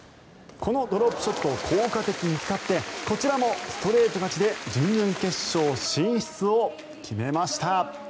このドロップショットを効果的に使ってこちらもストレート勝ちで準々決勝進出を決めました。